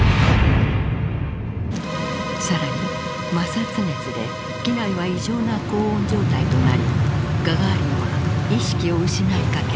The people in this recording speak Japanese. さらに摩擦熱で機内は異常な高温状態となりガガーリンは意識を失いかける。